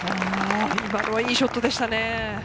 今のはいいショットでしたね。